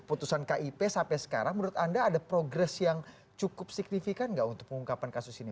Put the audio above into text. putusan kip sampai sekarang menurut anda ada progres yang cukup signifikan nggak untuk pengungkapan kasus ini